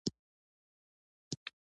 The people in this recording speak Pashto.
د خطر احساس کاوه.